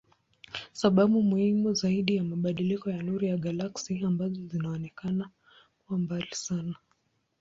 Sababu muhimu zaidi ni mabadiliko ya nuru ya galaksi ambazo zinaonekana kuwa mbali sana.